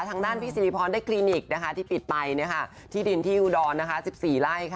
ทางด้านพี่สิริพรได้คลินิกที่ปิดไปที่ดินที่อุดร๑๔ไร่